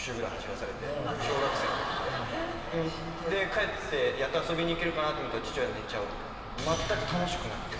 帰ってやっと遊びに行けるかなと思ったら父親寝ちゃうみたいな。